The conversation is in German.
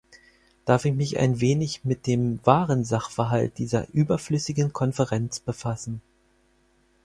Darf ich mich ein wenig mit dem wahren Sachverhalt dieser überflüssigen Konferenz befassen?